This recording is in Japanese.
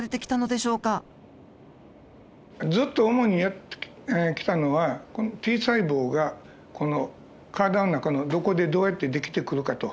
ずっと主にやってきたのはＴ細胞がこの体の中のどこでどうやって出来てくるかと。